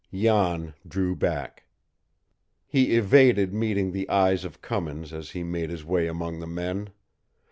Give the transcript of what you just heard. Jan drew back. He evaded meeting the eyes of Cummins as he made his way among the men.